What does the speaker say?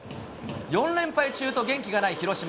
４連敗中と、元気がない広島。